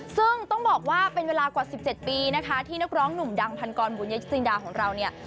ซึ่งต้องบอกว่าเป็นเวลากว่า๑๗ปีนะคะที่นักร้องหนุ่มดังพันกรบุญจินดาของเราเนี่ย